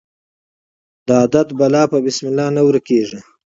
د عادت بلا په بسم الله نه ورکیږي.